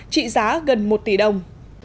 trị giá gần một tỷ đồng